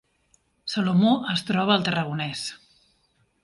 Salomó es troba al Tarragonès